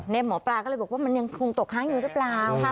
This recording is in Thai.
หมอปลาก็เลยบอกว่ามันยังคงตกค้างอยู่หรือเปล่า